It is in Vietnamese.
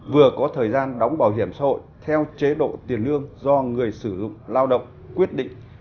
vừa có thời gian đóng bảo hiểm xã hội theo chế độ tiền lương do người sử dụng lao động quyết định